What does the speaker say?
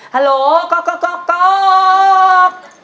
ฮัลโหลก๊อกก๊อกก๊อกก๊อก